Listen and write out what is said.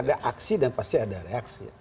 ada aksi dan pasti ada reaksi